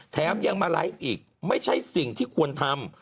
แถมยังมาไลฟ์อีกไม่ใช่สิ่งที่ควรทำ